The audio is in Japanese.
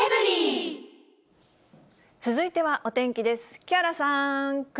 続いてはお天気です。